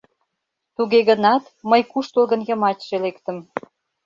Туге гынат, мый куштылгын йымачше лектым.